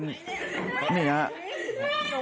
ช่วยกัน